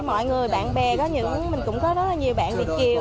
mọi người bạn bè mình cũng có rất là nhiều bạn việt kiều